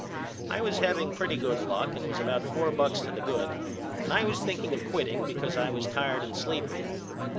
I was having pretty good luck and was about four bucks to the good and I was thinking of quitting because I was tired and sleepy.